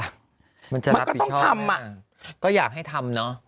มันก็ต้องทำอ่ะก็อยากให้ทำเนอะ